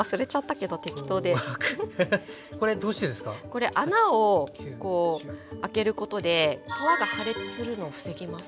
これ穴を開けることで皮が破裂するのを防ぎます。